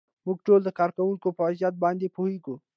موږ ټول د کارکوونکو په وضعیت باندې پوهیږو.